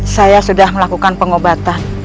saya sudah melakukan pengobatan